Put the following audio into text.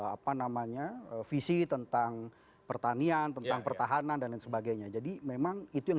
apa namanya visi tentang pertanian tentang pertahanan dan lain sebagainya jadi memang itu yang